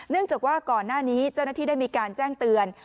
จากว่าก่อนหน้านี้เจ้าหน้าที่ได้มีการแจ้งเตือน